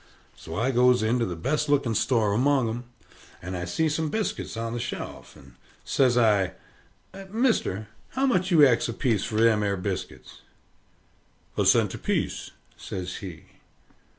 So I goes into the best looking store among 'em. And I see some biscuit on the shelf, and says I, "Mister, how much do you ax apiece for them 'ere biscuits?" "A cent apiece," says he.